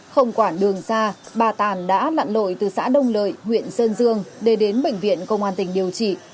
không quản đường xa bà tàn đã lặn lội từ xã đông lợi huyện sơn dương để đến bệnh viện công an tỉnh điều trị